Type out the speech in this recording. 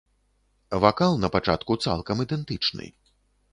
Вакал на пачатку цалкам ідэнтычны.